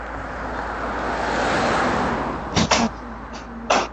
বক্সের মধ্যে ভাংতি টাকা আছে, ঐগুলা নেন।